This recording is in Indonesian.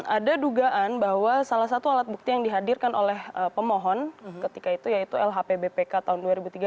ada dugaan bahwa salah satu alat bukti yang dihadirkan oleh pemohon ketika itu yaitu lhp bpk tahun dua ribu tiga belas